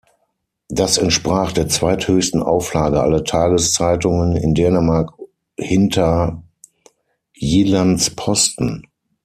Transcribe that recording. Das entsprach der zweithöchsten Auflage aller Tageszeitungen in Dänemark hinter "Jyllands-Posten".